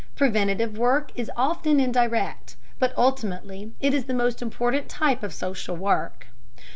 Preventive work is often indirect, but ultimately it is the most important type of social work.